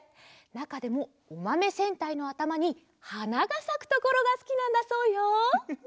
なかでもおまめ戦隊のあたまにはながさくところがすきなんだそうよ！